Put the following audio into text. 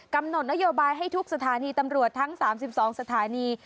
กำหนดนโยบายให้ทุกสถานีตำรวจทั้ง๓๒สถานี